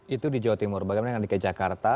itu di jawa timur bagaimana dengan dki jakarta